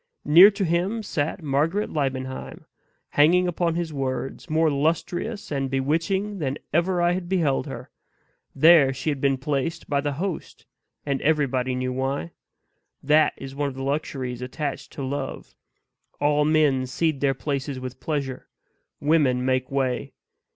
near to him sat Margaret Liebenheim hanging upon his words more lustrous and bewitching than ever I had beheld her. There she had been placed by the host; and everybody knew why. That is one of the luxuries attached to love; all men cede their places with pleasure; women make way.